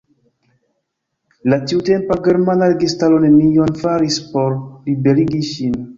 La tiutempa germana registaro nenion faris por liberigi ŝin.